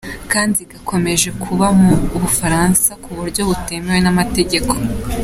Kanziga akomeje kuba mu Bufaransa ku buryo butemewe n’amategeko.